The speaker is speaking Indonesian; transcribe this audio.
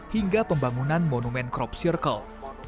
hingga pembangunan monumen crop circle